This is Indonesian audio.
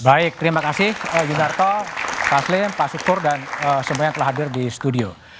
baik terima kasih yunarto pak slim pak siktur dan semua yang telah hadir di studio